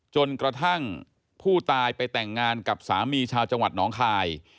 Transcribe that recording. จนกระทั่งผู้ตายไปแต่งงานกับสามีชาวจังหวัดน้องคาย